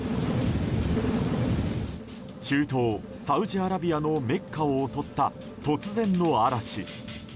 中東サウジアラビアのメッカを襲った突然の嵐。